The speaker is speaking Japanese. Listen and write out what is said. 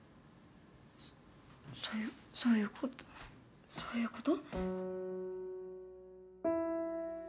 そそういうそういうこそういうこと？